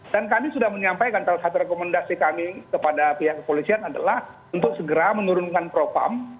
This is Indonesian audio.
dan kami sudah menyampaikan salah satu rekomendasi kami kepada pihak kepolisian adalah untuk segera menurunkan propam